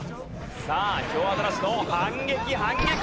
さあヒョウアザラシの反撃反撃！